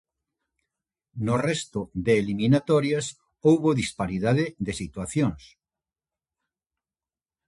No resto de eliminatorias houbo disparidade de situacións.